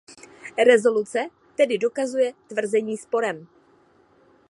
Rezoluce tedy dokazuje tvrzení sporem.